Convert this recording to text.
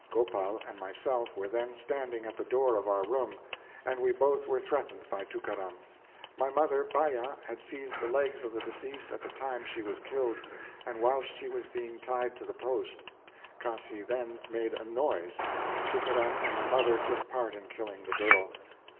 Gopal and myself were then standing at the door of our room, and we both were threatened by Tookaram. My mother, Baya, had seized the legs of the deceased at the time she was killed, and whilst she was being tied to the post. Cassi then made a noise. Tookaram and my mother took part in killing the girl.